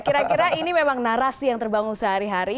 kira kira ini memang narasi yang terbangun sehari hari